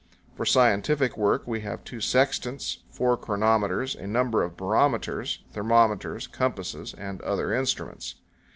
For scientific work, we have two sextants, four chronometers, a number of barometers, thermometers, compasses, and other instruments.